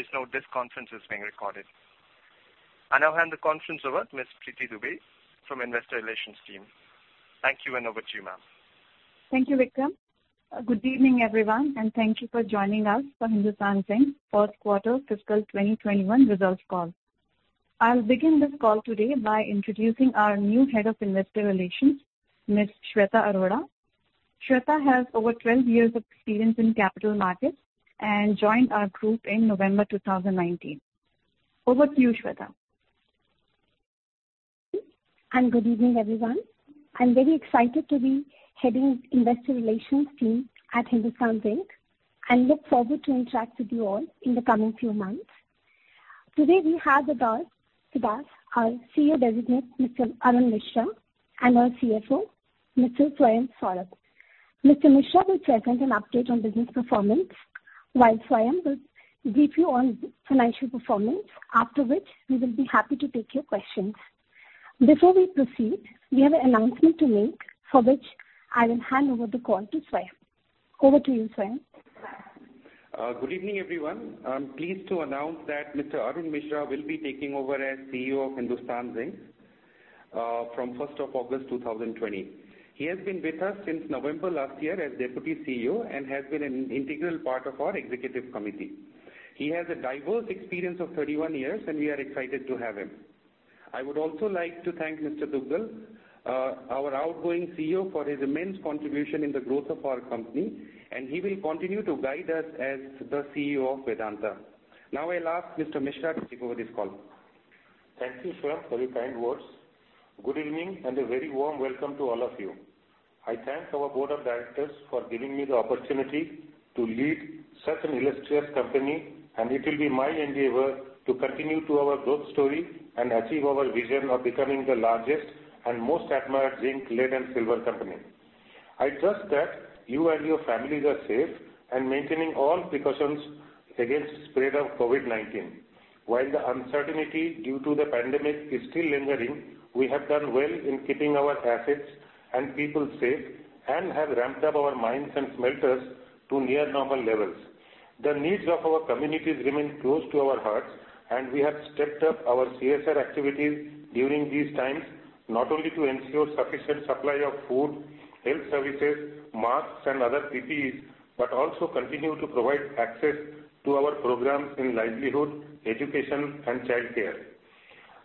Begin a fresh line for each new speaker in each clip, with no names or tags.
Please note this conference is being recorded. I now hand the conference over to Ms. Priti Dubey from Investor Relations team. Thank you, and over to you, ma'am.
Thank you, Vikram. Good evening, everyone, and thank you for joining us for Hindustan Zinc first quarter fiscal 2021 results call. I'll begin this call today by introducing our new Head of Investor Relations, Ms. Shweta Arora. Shweta has over 12 years of experience in capital markets and joined our group in November 2019. Over to you, Shweta.
Good evening, everyone. I'm very excited to be heading Investor Relations team at Hindustan Zinc and look forward to interact with you all in the coming few months. Today we have with us our CEO Designate, Mr. Arun Misra, and our CFO, Mr. Swayam Saurabh. Mr. Misra will present an update on business performance, while Swayam will brief you on financial performance. After which, we will be happy to take your questions. Before we proceed, we have an announcement to make, for which I will hand over the call to Swayam. Over to you, Swayam.
Good evening, everyone. I'm pleased to announce that Mr. Arun Misra will be taking over as CEO of Hindustan Zinc from 1st of August 2020. He has been with us since November last year as Deputy CEO and has been an integral part of our executive committee. He has a diverse experience of 31 years, and we are excited to have him. I would also like to thank Mr. Duggal, our outgoing CEO, for his immense contribution in the growth of our company, and he will continue to guide us as the CEO of Vedanta. Now I'll ask Mr. Misra to take over this call.
Thank you, Swayam, for your kind words. Good evening, and a very warm welcome to all of you. I thank our board of directors for giving me the opportunity to lead such an illustrious company, and it will be my endeavor to continue to our growth story and achieve our vision of becoming the largest and most admired zinc, lead, and silver company. I trust that you and your families are safe and maintaining all precautions against spread of COVID-19. While the uncertainty due to the pandemic is still lingering, we have done well in keeping our assets and people safe and have ramped up our mines and smelters to near normal levels. The needs of our communities remain close to our hearts, and we have stepped up our CSR activities during these times, not only to ensure sufficient supply of food, health services, masks, and other PPEs, but also continue to provide access to our programs in livelihood, education, and childcare.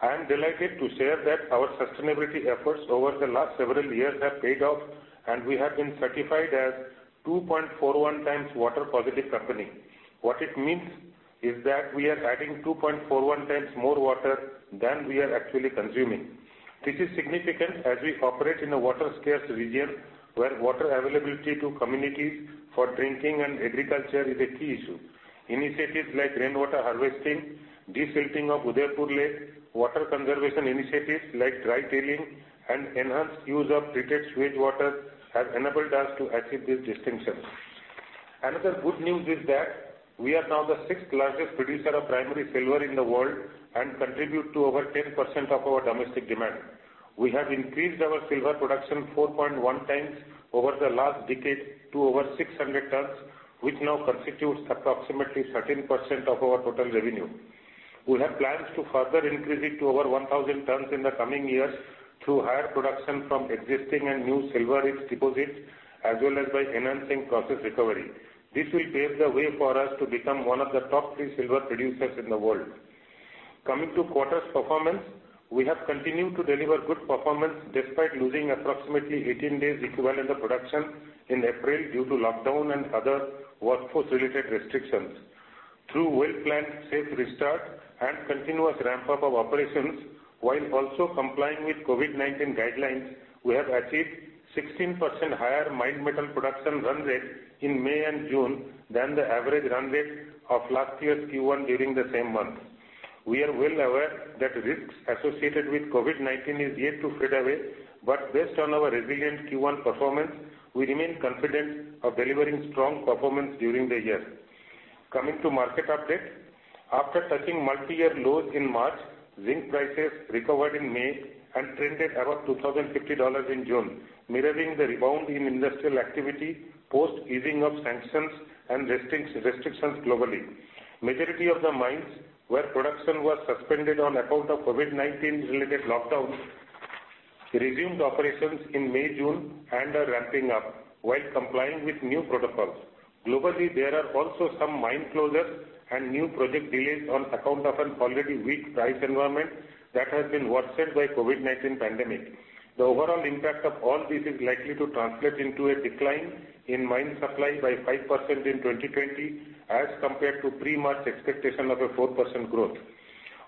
I am delighted to share that our sustainability efforts over the last several years have paid off, and we have been certified as 2.41 times Water Positive company. What it means is that we are adding 2.41 times more water than we are actually consuming. This is significant as we operate in a water-scarce region where water availability to communities for drinking and agriculture is a key issue. Initiatives like rainwater harvesting, desilting of Fatehsagar Lake, water conservation initiatives like dry tailing and enhanced use of treated sewage water have enabled us to achieve this distinction. Another good news is that we are now the sixth largest producer of primary silver in the world and contribute to over 10% of our domestic demand. We have increased our silver production 4.1 times over the last decade to over 600 tons, which now constitutes approximately 13% of our total revenue. We have plans to further increase it to over 1,000 tons in the coming years through higher production from existing and new silver-rich deposits, as well as by enhancing process recovery. This will pave the way for us to become one of the top 3 silver producers in the world. Coming to quarter's performance, we have continued to deliver good performance despite losing approximately 18 days equivalent of production in April due to lockdown and other workforce related restrictions. Through well-planned safe restart and continuous ramp up of operations while also complying with COVID-19 guidelines, we have achieved 16% higher mined metal production run rate in May and June than the average run rate of last year's Q1 during the same month. We are well aware that risks associated with COVID-19 is yet to fade away, but based on our resilient Q1 performance, we remain confident of delivering strong performance during the year. Coming to market update. After touching multi-year lows in March, zinc prices recovered in May and trended above $2,050 in June, mirroring the rebound in industrial activity post easing of sanctions and restrictions globally. Majority of the mines where production was suspended on account of COVID-19 related lockdowns resumed operations in May, June and are ramping up while complying with new protocols. Globally, there are also some mine closures and new project delays on account of an already weak price environment that has been worsened by COVID-19 pandemic. The overall impact of all this is likely to translate into a decline in mine supply by 5% in 2020 as compared to pre-March expectation of a 4% growth.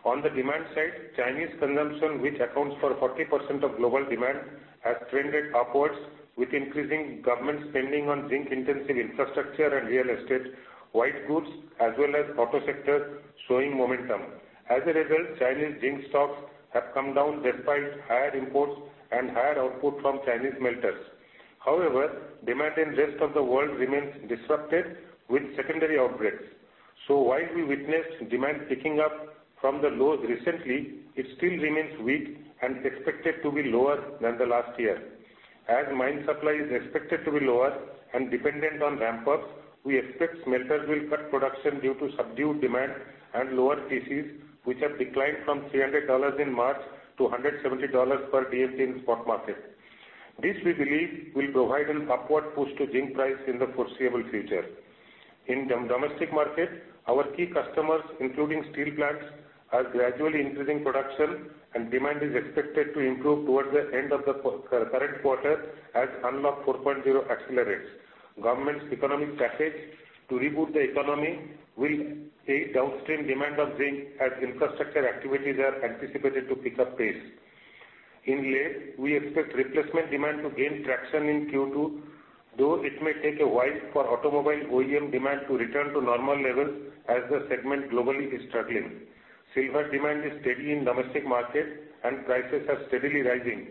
On the demand side, Chinese consumption, which accounts for 40% of global demand, has trended upwards with increasing government spending on zinc intensive infrastructure and real estate, white goods as well as auto sector showing momentum. As a result, Chinese zinc stocks have come down despite higher imports and higher output from Chinese smelters. However, demand in rest of the world remains disrupted with secondary outbreaks. While we witness demand picking up from the lows recently, it still remains weak and expected to be lower than the last year. As mine supply is expected to be lower and dependent on ramp-ups, we expect smelters will cut production due to subdued demand and lower TCs, which have declined from $300 in March to $170 per TC in spot market. This, we believe, will provide an upward push to zinc price in the foreseeable future. In domestic market, our key customers, including steel plants, are gradually increasing production and demand is expected to improve towards the end of the current quarter as Unlock 4.0 accelerates. Government's economic package to reboot the economy will aid downstream demand of zinc as infrastructure activities are anticipated to pick up pace. In lead, we expect replacement demand to gain traction in Q2, though it may take a while for automobile OEM demand to return to normal levels as the segment globally is struggling. Silver demand is steady in domestic market and prices are steadily rising.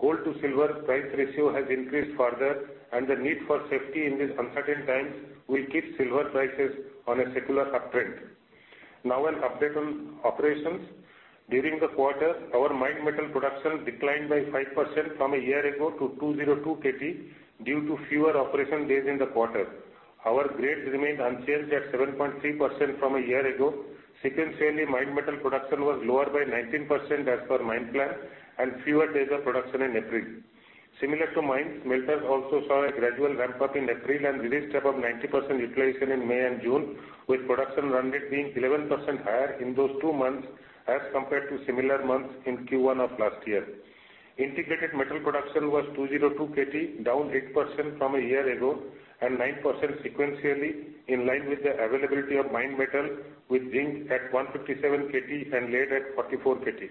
Gold to silver price ratio has increased further and the need for safety in this uncertain time will keep silver prices on a secular uptrend. An update on operations. During the quarter, our mined metal production declined by 5% from a year ago to 202 kt due to fewer operation days in the quarter. Our grades remained unchanged at 7.3% from a year ago. Sequentially, mined metal production was lower by 19% as per mine plan and fewer days of production in April. Similar to mines, smelters also saw a gradual ramp-up in April and released above 90% utilization in May and June, with production run rate being 11% higher in those two months as compared to similar months in Q1 of last year. Integrated metal production was 202 kt, down 8% from a year ago and 9% sequentially, in line with the availability of mined metal with zinc at 157 kt and lead at 44 kt.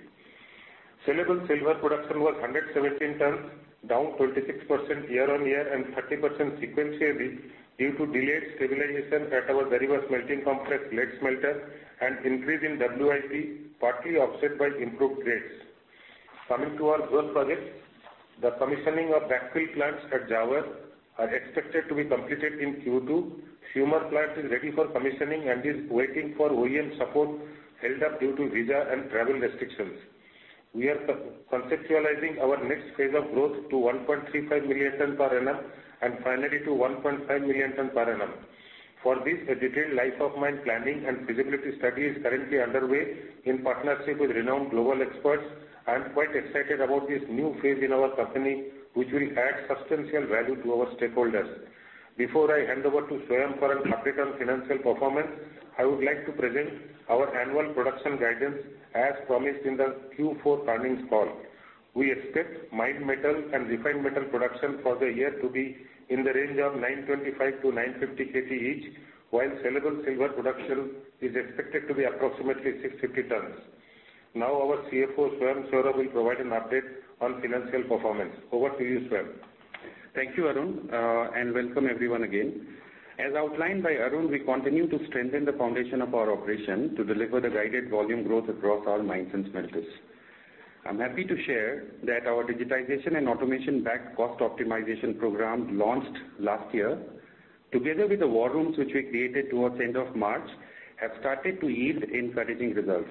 Sellable silver production was 117 tons, down 26% year-on-year and 30% sequentially due to delayed stabilization at our Dariba smelting complex lead smelter and increase in WIP, partly offset by improved grades. Coming to our growth projects. The commissioning of backfill plants at Zawar are expected to be completed in Q2. Fumer plant is ready for commissioning and is waiting for OEM support, held up due to visa and travel restrictions. We are conceptualizing our next phase of growth to 1.35 million tonne per annum and finally to 1.5 million tonne per annum. For this, a detailed life of mine planning and feasibility study is currently underway in partnership with renowned global experts. I am quite excited about this new phase in our company, which will add substantial value to our stakeholders. Before I hand over to Swayam for an update on financial performance, I would like to present our annual production guidance as promised in the Q4 earnings call. We expect mined metal and refined metal production for the year to be in the range of 925 to 950 kt each, while sellable silver production is expected to be approximately 650 tons. Now our CFO, Swayam Saurabh, will provide an update on financial performance. Over to you, Swayam.
Thank you, Arun, and welcome everyone again. As outlined by Arun, we continue to strengthen the foundation of our operation to deliver the guided volume growth across all mines and smelters. I'm happy to share that our digitization and automation-backed cost optimization program launched last year. Together with the war rooms which we created towards the end of March, have started to yield encouraging results.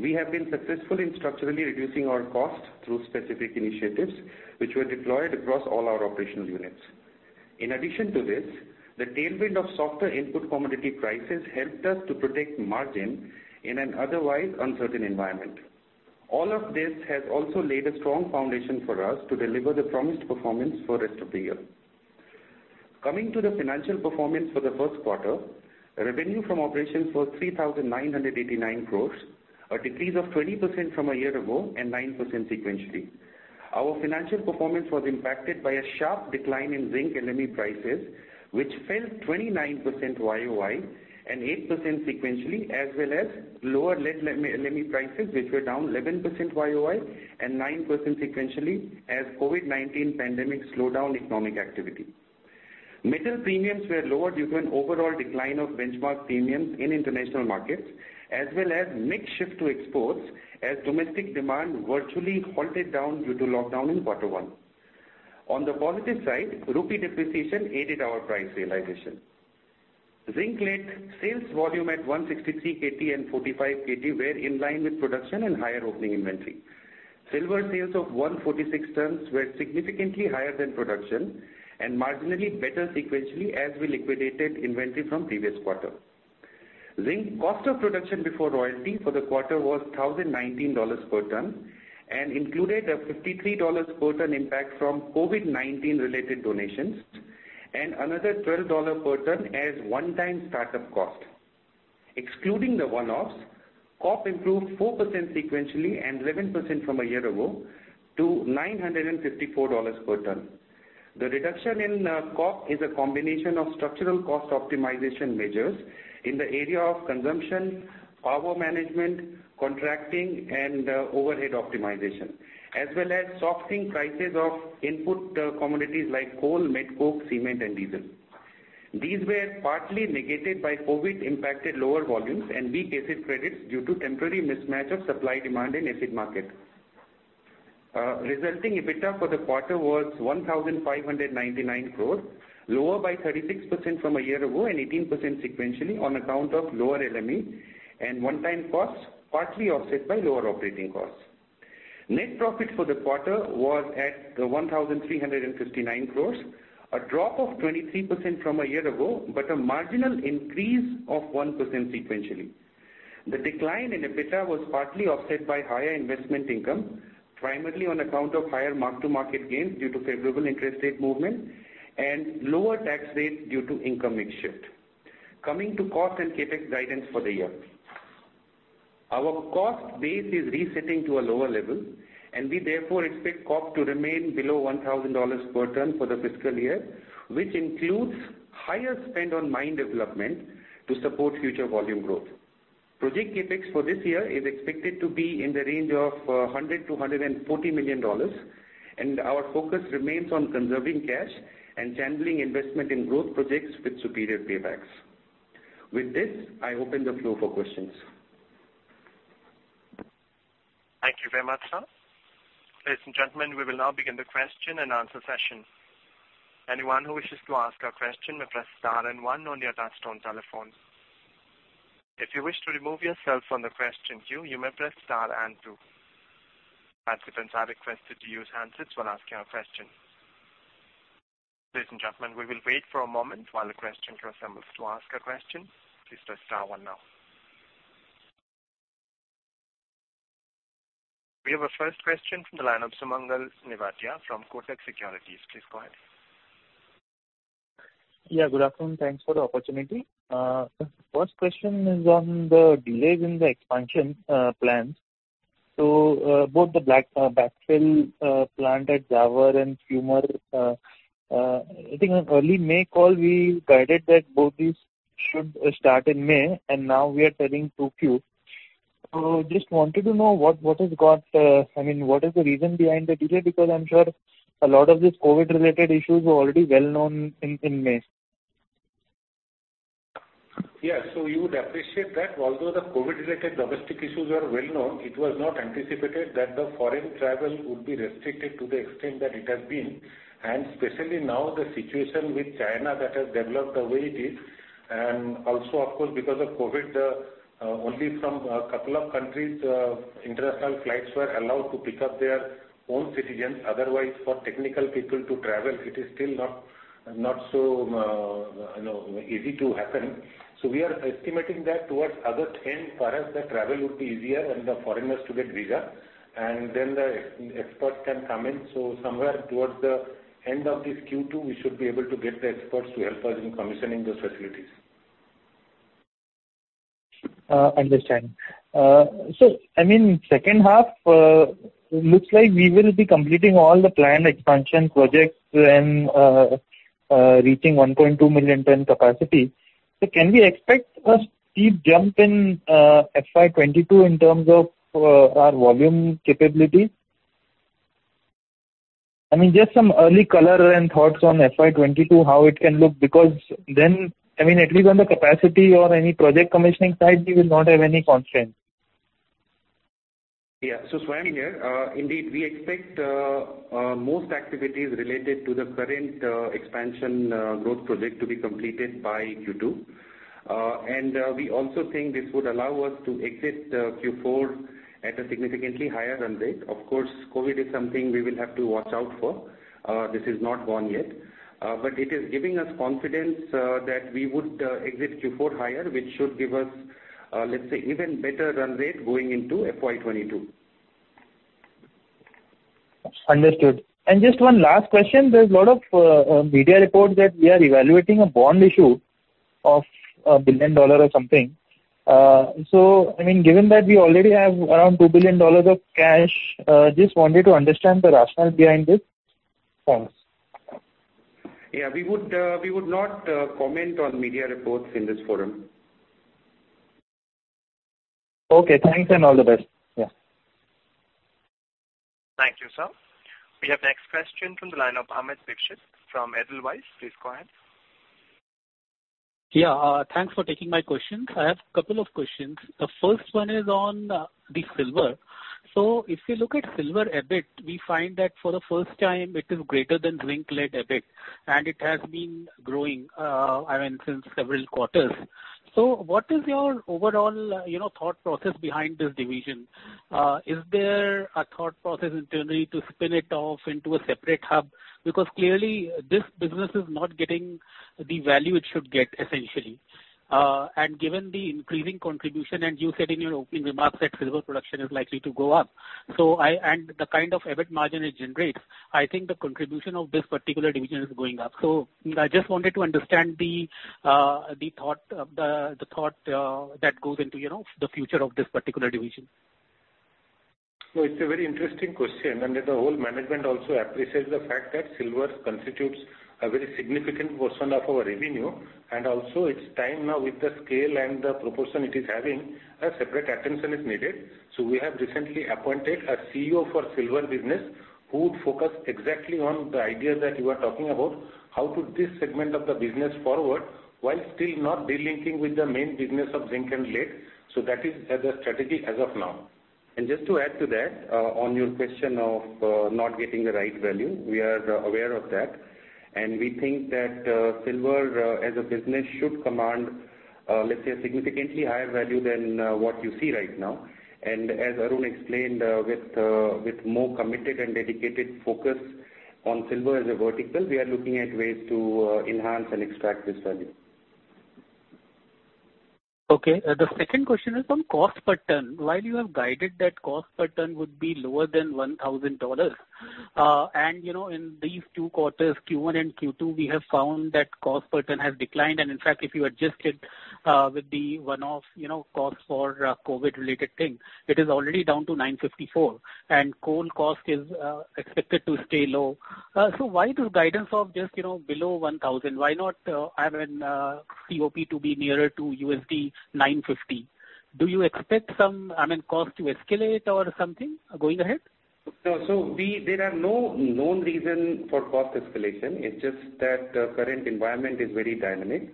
We have been successful in structurally reducing our costs through specific initiatives which were deployed across all our operational units. In addition to this, the tailwind of softer input commodity prices helped us to protect margin in an otherwise uncertain environment. All of this has also laid a strong foundation for us to deliver the promised performance for rest of the year. Coming to the financial performance for the first quarter, revenue from operations was 3,989 crore, a decrease of 20% from a year ago and 9% sequentially. Our financial performance was impacted by a sharp decline in zinc LME prices, which fell 29% YOY and 8% sequentially, as well as lower lead LME prices, which were down 11% YOY and 9% sequentially as COVID-19 pandemic slowed down economic activity. Metal premiums were lower due to an overall decline of benchmark premiums in international markets as well as mix shift to exports as domestic demand virtually halted down due to lockdown in quarter one. On the positive side, rupee depreciation aided our price realization. Zinc-lead sales volume at 163 kt and 45 kt were in line with production and higher opening inventory. Silver sales of 146 tons were significantly higher than production and marginally better sequentially as we liquidated inventory from previous quarter. Zinc cost of production before royalty for the quarter was $1,019 per ton and included a $53 per ton impact from COVID-19 related donations and another $12 per ton as one-time startup cost. Excluding the one-offs, COP improved 4% sequentially and 11% from a year ago to $954 per ton. The reduction in COP is a combination of structural cost optimization measures in the area of consumption, power management, contracting, and overhead optimization. As well as softening prices of input commodities like coal, met coke, cement, and diesel. These were partly negated by COVID impacted lower volumes and weak acid credits due to temporary mismatch of supply-demand in acid market. Resulting EBITDA for the quarter was 1,599 crore, lower by 36% from a year ago and 18% sequentially on account of lower LME and one-time costs, partly offset by lower operating costs. Net profit for the quarter was at 1,359 crores, a drop of 23% from a year ago, but a marginal increase of 1% sequentially. The decline in EBITDA was partly offset by higher investment income, primarily on account of higher mark-to-market gains due to favorable interest rate movement and lower tax rate due to income mix shift. Coming to cost and CapEx guidance for the year. We therefore expect cost to remain below $1,000 per ton for the fiscal year, which includes higher spend on mine development to support future volume growth. Project CapEx for this year is expected to be in the range of $100 million-$140 million, our focus remains on conserving cash and channeling investment in growth projects with superior paybacks. With this, I open the floor for questions.
Thank you very much, sir. Ladies and gentlemen, we will now begin the question and answer session. Anyone who wishes to ask a question may press star and one on your touch-tone telephone. If you wish to remove yourself from the question queue, you may press star and two. Participants are requested to use handsets when asking a question. Ladies and gentlemen, we will wait for a moment while the question queue assembles. To ask a question, please press star one now. We have our first question from the line of Sumangal Nevatia from Kotak Securities. Please go ahead.
Yeah, good afternoon. Thanks for the opportunity. First question is on the delays in the expansion plans. Both the backfill plant at Zawar and Fumer. I think on early May call, we guided that both these should start in May, and now we are turning to Q. Just wanted to know, what is the reason behind the delay? Because I'm sure a lot of these COVID related issues were already well known in May.
Yeah. You would appreciate that although the COVID-related domestic issues were well known, it was not anticipated that the foreign travel would be restricted to the extent that it has been. Especially now, the situation with China that has developed the way it is. Also, of course, because of COVID, only from a couple of countries, international flights were allowed to pick up their own citizens. Otherwise, for technical people to travel, it is still not so easy to happen. We are estimating that towards August end, for us, the travel would be easier and the foreigners to get visa. The experts can come in. Somewhere towards the end of this Q2, we should be able to get the experts to help us in commissioning those facilities.
Understand. Second half looks like we will be completing all the planned expansion projects and reaching 1.2 million ton capacity. Can we expect a steep jump in FY 2022 in terms of our volume capability? Just some early color and thoughts on FY 2022, how it can look, because then at least on the capacity or any project commissioning side, we will not have any constraint.
Swayam here. Indeed, we expect most activities related to the current expansion growth project to be completed by Q2. We also think this would allow us to exit Q4 at a significantly higher run rate. Of course, COVID-19 is something we will have to watch out for. This is not gone yet. It is giving us confidence that we would exit Q4 higher, which should give us, let's say, even better run rate going into FY 2022.
Understood. Just one last question. There's a lot of media reports that we are evaluating a bond issue of $1 billion or something. Given that we already have around $2 billion of cash, just wanted to understand the rationale behind this, thanks.
Yeah, we would not comment on media reports in this forum.
Okay, thanks, and all the best. Yeah.
Thank you, sir. We have next question from the line of Amit Dixit from Edelweiss. Please go ahead.
Yeah, thanks for taking my questions. I have a couple of questions. The first one is on the silver. If you look at silver EBIT, we find that for the first time, it is greater than zinc-lead EBIT, and it has been growing since several quarters. What is your overall thought process behind this division? Is there a thought process internally to spin it off into a separate hub? Clearly, this business is not getting the value it should get, essentially. Given the increasing contribution, and you said in your opening remarks that silver production is likely to go up. The kind of EBIT margin it generates, I think the contribution of this particular division is going up. I just wanted to understand the thought that goes into the future of this particular division.
It's a very interesting question, and the whole management also appreciates the fact that silver constitutes a very significant portion of our revenue. Also it's time now with the scale and the proportion it is having, a separate attention is needed. We have recently appointed a CEO for silver business who would focus exactly on the idea that you are talking about, how to this segment of the business forward while still not delinking with the main business of zinc and lead. That is the strategy as of now.
Just to add to that, on your question of not getting the right value, we are aware of that. We think that silver as a business should command. Let's say a significantly higher value than what you see right now. As Arun explained, with more committed and dedicated focus on silver as a vertical, we are looking at ways to enhance and extract this value.
Okay. The second question is on cost per ton. While you have guided that cost per ton would be lower than $1,000. In these two quarters, Q1 and Q2, we have found that cost per ton has declined. In fact, if you adjusted with the one-off costs for COVID-19 related thing, it is already down to $954 and coal cost is expected to stay low. Why the guidance of just below $1,000? Why not have a COP to be nearer to $950? Do you expect some cost to escalate or something going ahead?
There are no known reason for cost escalation. It's just that current environment is very dynamic.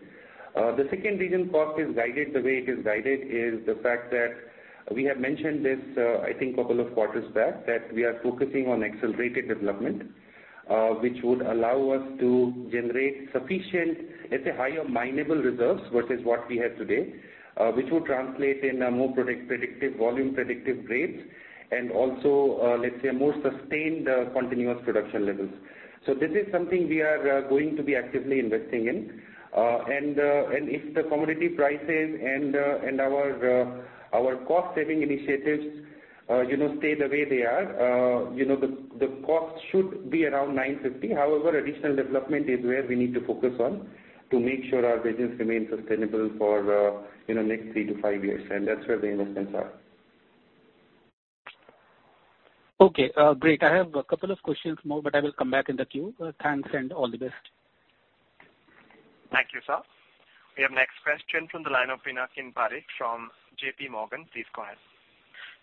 The second reason cost is guided the way it is guided is the fact that we have mentioned this, I think couple of quarters back, that we are focusing on accelerated development, which would allow us to generate sufficient, let's say, higher mineable reserves versus what we have today, which would translate in more predictive volume, predictive grades and also, let's say, more sustained continuous production levels. This is something we are going to be actively investing in. If the commodity prices and our cost saving initiatives stay the way they are, the cost should be around $950. However, additional development is where we need to focus on to make sure our business remains sustainable for next three to five years. That's where the investments are.
Okay. Great. I have a couple of questions more, but I will come back in the queue. Thanks, and all the best.
Thank you, sir. We have next question from the line of Pinakin Parekh from JP Morgan. Please go ahead.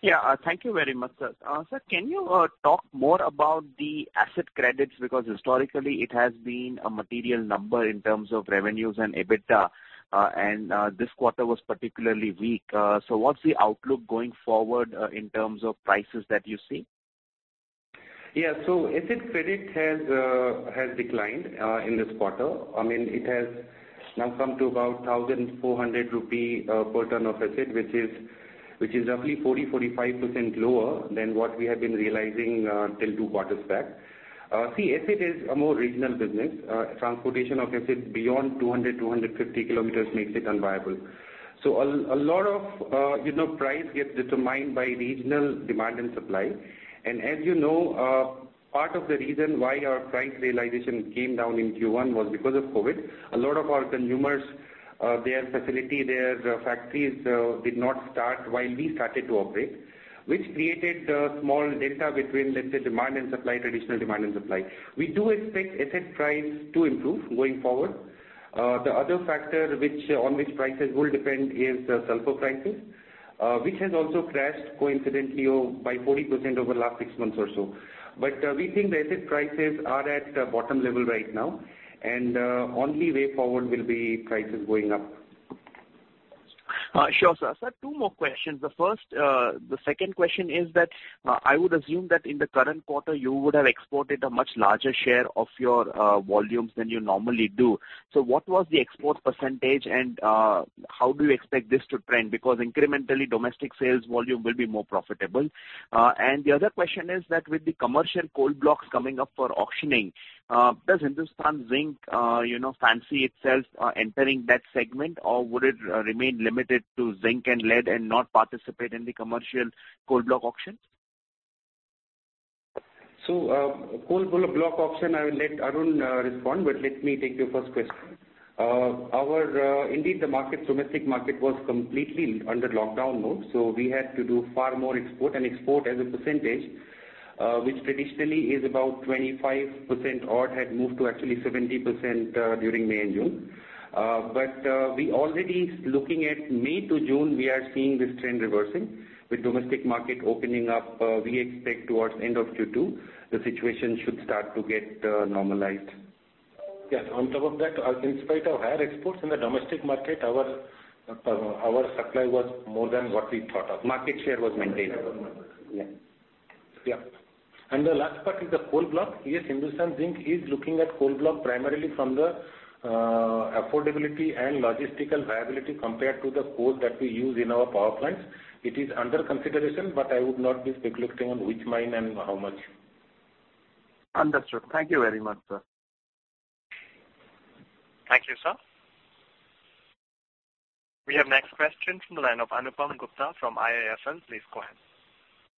Yeah. Thank you very much, sir. Sir, can you talk more about the acid credits? Historically it has been a material number in terms of revenues and EBITDA, and this quarter was particularly weak. What's the outlook going forward, in terms of prices that you see?
Yeah. acid credit has declined in this quarter. It has now come to about 1,400 rupee per ton of acid, which is roughly 40%-45% lower than what we have been realizing till two quarters back. See, acid is a more regional business. Transportation of acid beyond 200-250 kilometers makes it unviable. A lot of price gets determined by regional demand and supply. As you know, part of the reason why our price realization came down in Q1 was because of COVID. A lot of our consumers, their facility, their factories did not start while we started to operate, which created a small delta between, let's say, demand and supply, traditional demand and supply. We do expect acid price to improve going forward. The other factor on which prices will depend is the sulphur prices, which has also crashed coincidentally by 40% over the last six months or so. We think the acid prices are at bottom level right now, and only way forward will be prices going up.
Sure, sir. Sir, two more questions. The second question is that I would assume that in the current quarter, you would have exported a much larger share of your volumes than you normally do. What was the export % and how do you expect this to trend? Because incrementally, domestic sales volume will be more profitable. The other question is that with the commercial coal blocks coming up for auctioning, does Hindustan Zinc fancy itself entering that segment, or would it remain limited to zinc and lead and not participate in the commercial coal block auction?
Coal block auction, I will let Arun respond. Let me take your first question. Indeed, the domestic market was completely under lockdown mode, so we had to do far more export. Export as a percentage, which traditionally is about 25% or it had moved to actually 70% during May and June. We already, looking at May to June, we are seeing this trend reversing. With domestic market opening up, we expect towards end of Q2, the situation should start to get normalized.
Yes. On top of that, in spite of higher exports in the domestic market, our supply was more than what we thought of. Market share was maintained. Yeah. The last part is the coal block. Yes, Hindustan Zinc is looking at coal block primarily from the affordability and logistical viability compared to the coal that we use in our power plants. It is under consideration, but I would not be speculating on which mine and how much.
Understood. Thank you very much, sir.
Thank you, sir. We have next question from the line of Anupam Gupta from IIFL. Please go ahead.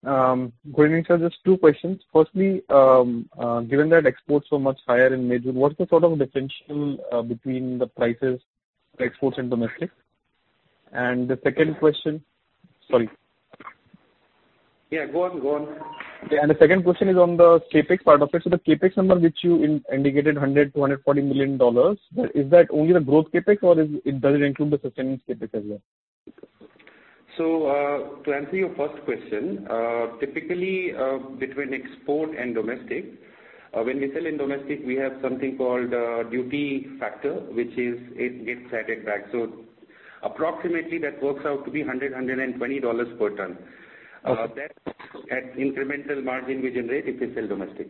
Good evening, sir. Just two questions. Given that exports were much higher in May, June, what's the sort of differential between the prices for exports and domestic? The second question. Sorry.
Yeah, go on.
The second question is on the CapEx part of it. The CapEx number which you indicated, $100 million-$140 million, is that only the growth CapEx, or does it include the sustenance CapEx as well?
To answer your first question, typically, between export and domestic, when we sell in domestic, we have something called a duty factor, which gets added back. Approximately that works out to be $100, $120 per ton.
Okay.
That's incremental margin we generate if we sell domestic.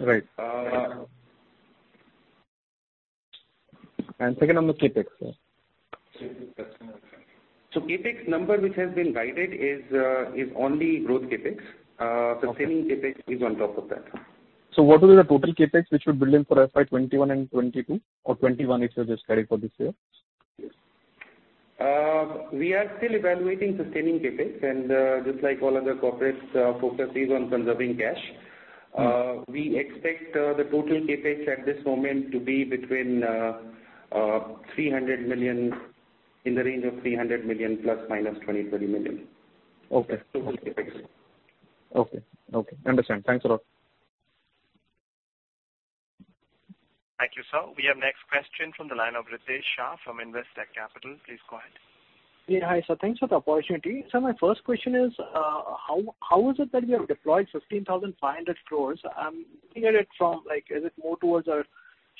Right. Second on the CapEx, sir?
CapEx number which has been guided is only growth CapEx. The sustaining CapEx is on top of that.
What will be the total CapEx which we build in for FY 2021 and 2022 or 2021 if you are just guided for this year?
We are still evaluating sustaining CapEx and just like all other corporates, our focus is on conserving cash. We expect the total CapEx at this moment to be in the range of $300 million ±$20 million.
Okay.
Total CapEx.
Okay. Understand. Thanks a lot.
Thank you, sir. We have next question from the line of Ritesh Shah from Investec Capital. Please go ahead.
Yeah. Hi, sir. Thanks for the opportunity. Sir, my first question is, how is it that we have deployed 16,500 crore? I'm looking at it from, is it more towards the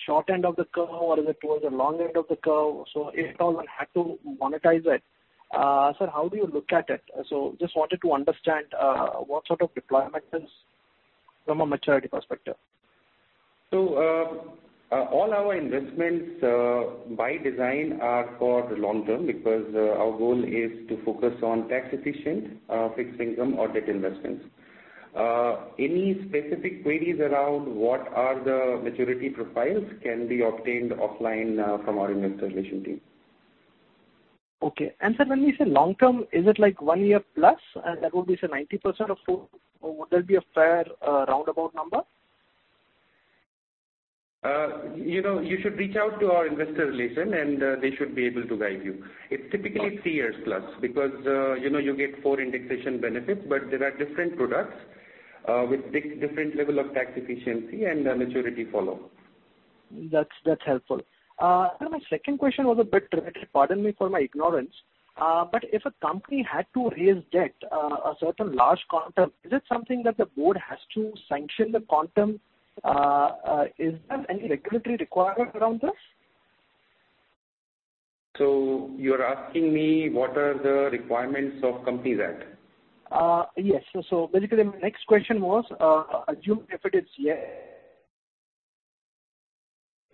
short end of the curve or is it towards the long end of the curve? If at all one had to monetize it, sir, how do you look at it? Just wanted to understand what sort of deployment is from a maturity perspective.
All our investments, by design, are for the long term because our goal is to focus on tax efficient fixed income or debt investments. Any specific queries around what are the maturity profiles can be obtained offline from our investor relations team.
Okay. Sir, when we say long term, is it one year plus? That would be, say, 90% or would that be a fair roundabout number?
You should reach out to our investor relation and they should be able to guide you. It's typically three years plus because you get four indexation benefits, but there are different products with different level of tax efficiency and maturity follow.
That's helpful. Sir, my second question was a bit related, pardon me for my ignorance. If a company had to raise debt, a certain large quantum, is it something that the board has to sanction the quantum? Is there any regulatory requirement around this?
You're asking me what are the requirements of Companies Act?
Yes. Basically, my next question was, assume if it is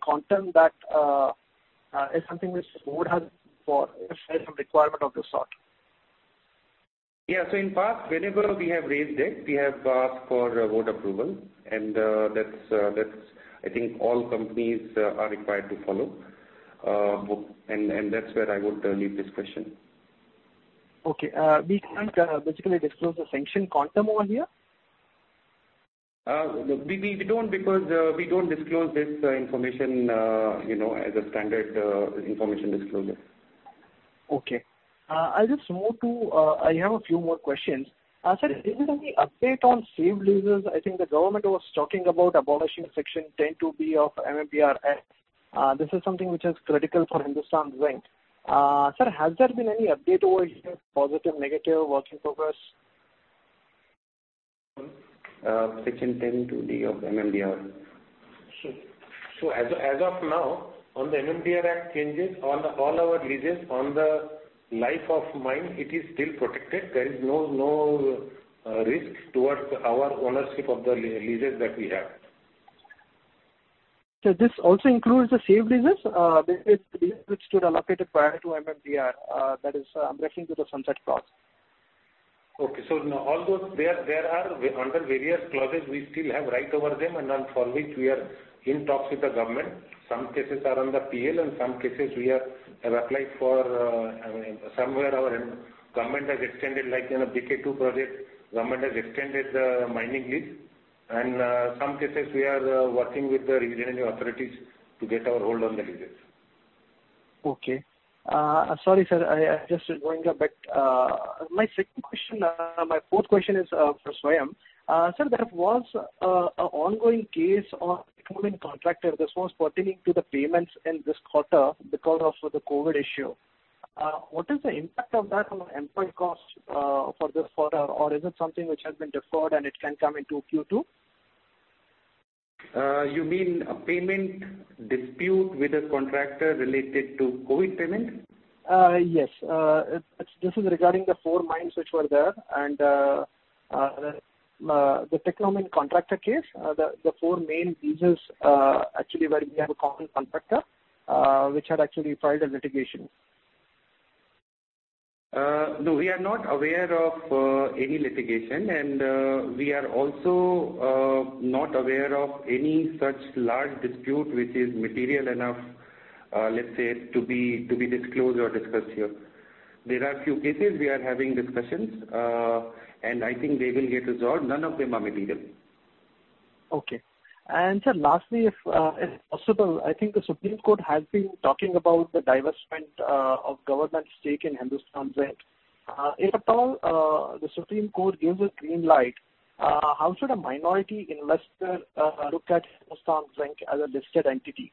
quantum that is something which the board has for some requirement of the sort.
In past, whenever we have raised debt, we have asked for board approval. That's I think all companies are required to follow. That's where I would leave this question.
Okay. We can't basically disclose the sanction quantum over here?
We don't because we don't disclose this information as a standard information disclosure.
Okay. I have a few more questions. Sir, is there any update on savings clause? I think the government was talking about abolishing Section 10A(2)(b) of MMDR. This is something which is critical for Hindustan Zinc. Sir, has there been any update over here, positive, negative, work in progress?
Section 102B of MMDR. As of now, on the MMDR Act changes, on all our leases, on the life of mine, it is still protected. There is no risk towards our ownership of the leases that we have.
Sir, this also includes the savings clause which stood allocated prior to MMDR. That is, I'm referring to the sunset clause.
Okay. Now, although they are under various clauses, we still have right over them, and for which we are in talks with the government. Some cases are on the PL, and some cases we have applied for, somewhere our government has extended, like in a BK2 project, government has extended the mining lease, and some cases we are working with the relevant authorities to get our hold on the leases.
Okay. Sorry, sir. My fourth question is for Swayam. Sir, there was a ongoing case on Teknomin Contractor. This was pertaining to the payments in this quarter because of the COVID issue. What is the impact of that on our employee costs for this quarter, or is it something which has been deferred and it can come into Q2?
You mean a payment dispute with a contractor related to COVID payment?
Yes. This is regarding the four mines which were there and the Teknomin Contractor case. The four main leases actually, where we have a common contractor, which had actually filed a litigation.
No, we are not aware of any litigation. We are also not aware of any such large dispute which is material enough, let's say, to be disclosed or discussed here. There are a few cases we are having discussions, and I think they will get resolved. None of them are material.
Okay. Sir, lastly, if possible, I think the Supreme Court has been talking about the divestment of government stake in Hindustan Zinc. If at all the Supreme Court gives a green light, how should a minority investor look at Hindustan Zinc as a listed entity?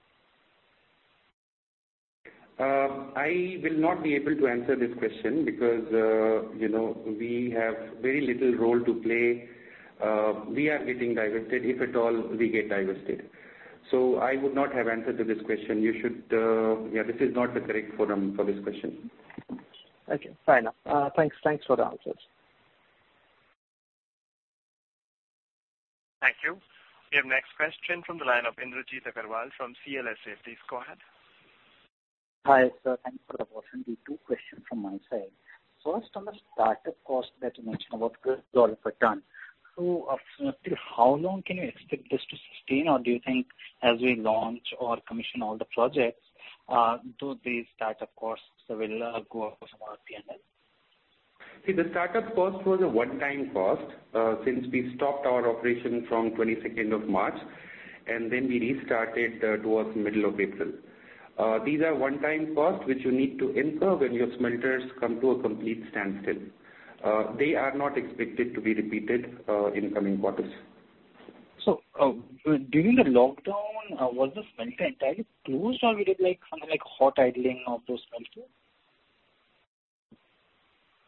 I will not be able to answer this question because we have very little role to play. We are getting divested, if at all we get divested. I would not have answer to this question. This is not the correct forum for this question.
Okay, fair enough. Thanks for the answers.
Thank you. We have next question from the line of Indrajit Agarwal from CLSA. Please go ahead.
Hi, sir. Thank you for the opportunity. Two question from my side. First, on the startup cost that you mentioned about $12 per ton. Approximately how long can you expect this to sustain? Or do you think as we launch or commission all the projects, do these startup costs will go up as part of P&L?
The startup cost was a one-time cost, since we stopped our operation from 22nd of March, and then we restarted towards middle of April. These are one-time costs which you need to incur when your smelters come to a complete standstill. They are not expected to be repeated in coming quarters.
During the lockdown, was the smelter entirely closed or were there something like hot idling of those smelters?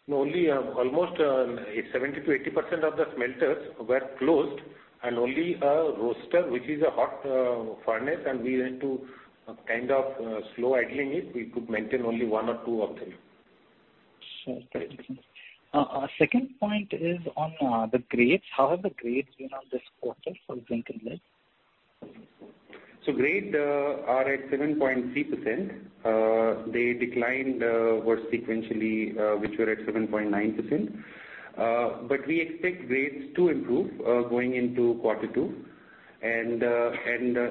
No, only almost 70%-80% of the smelters were closed and only a roaster, which is a hot furnace, and we went to kind of slow idling it. We could maintain only one or two of them.
Sure. Second point is on the grades. How have the grades been on this quarter for zinc and lead?
Grades are at 7.3%. They declined worse sequentially, which were at 7.9%. We expect grades to improve going into quarter two and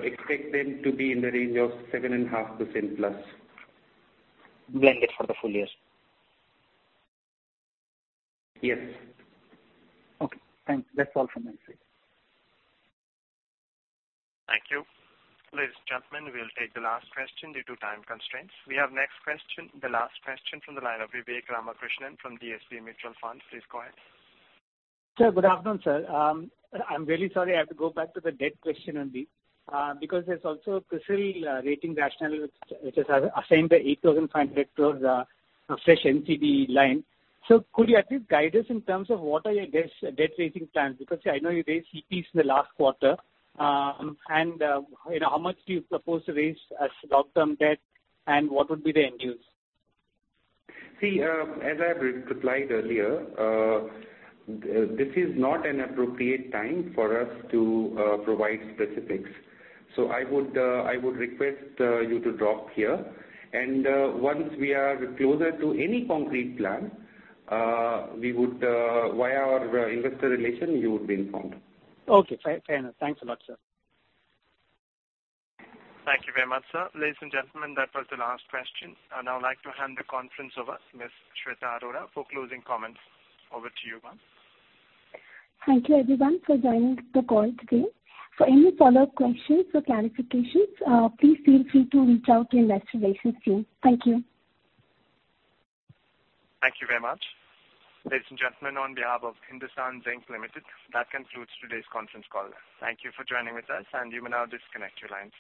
expect them to be in the range of 7.5% plus.
blended for the full year.
Yes.
Okay, thanks. That's all from my side.
Thank you. Ladies and gentlemen, we will take the last question due to time constraints. We have the last question from the line of Vivek Ramakrishnan from DSP Mutual Fund. Please go ahead.
Sir, good afternoon, sir. I'm really sorry, I have to go back to the debt question only. There's also CRISIL rating rationale which has assigned a 8,500 crore fresh NCD line. Could you at least guide us in terms of what are your debt rating plans? I know you raised CPs in the last quarter. How much do you propose to raise as long-term debt and what would be the end use?
See, as I replied earlier, this is not an appropriate time for us to provide specifics. I would request you to drop here and once we are closer to any concrete plan, via our Investor Relations you would be informed.
Okay, fair enough. Thanks a lot, sir.
Thank you very much, sir. Ladies and gentlemen, that was the last question. I'd now like to hand the conference over to Miss Shweta Arora for closing comments. Over to you, ma'am.
Thank you everyone for joining the call today. For any follow-up questions or clarifications, please feel free to reach out to investor relations team. Thank you.
Thank you very much. Ladies and gentlemen, on behalf of Hindustan Zinc Limited, that concludes today's conference call. Thank you for joining with us and you may now disconnect your lines.